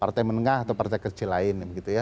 partai menengah atau partai kecil lain